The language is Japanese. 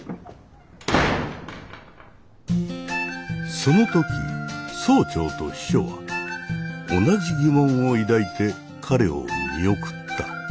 その時総長と秘書は同じ疑問を抱いて彼を見送った。